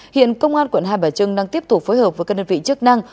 hiện công an quận hai bà trưng đang tiếp tục phối hợp với các đơn vị chức năng